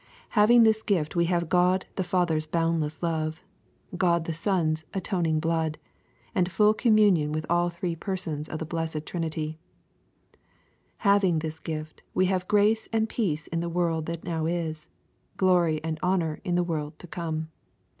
Having this gift we have God the Father's boundless love, God the Son's atoning blood, ai^d fijll communion with all three Persons of the blessed Trjoi^y* Haying this gift, we have grace and peace in the world that now is, glory and honor in the world to come.